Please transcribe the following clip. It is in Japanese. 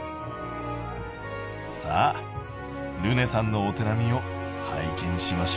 さあるねさんのお手並みを拝見しましょう。